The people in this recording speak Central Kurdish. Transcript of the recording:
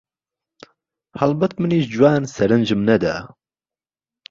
هەڵبەت منیش جوان سرنجم نەدا